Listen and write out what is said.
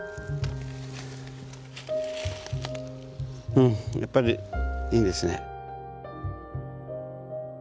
うんやっぱりいいですね。